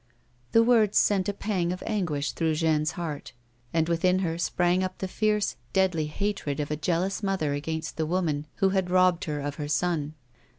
The words sent a pang of anguish through Jeanne's heart, and within her sprang up the fierce, deadly hatred of a jealous mother against the woman who had robbed her of her son.